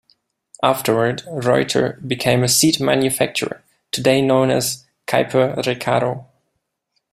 Afterward Reuter became a seat manufacturer, today known as Keiper-Recaro.